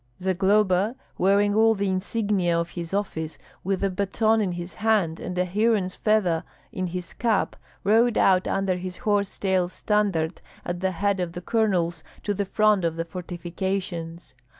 Zagloba, wearing all the insignia of his office, with a baton in his hand and a heron's feather in his cap, rode out under his horse tail standard, at the head of the colonels, to the front of the fortifications.